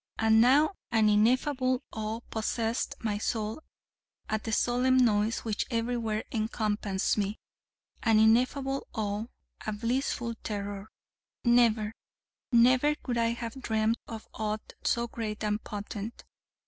And now an ineffable awe possessed my soul at the solemn noise which everywhere encompassed me, an ineffable awe, a blissful terror. Never, never could I have dreamed of aught so great and potent.